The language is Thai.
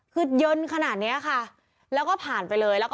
คือเยิ้นขนาดเนี่ยคะแล้วก็ผ่านไปเลย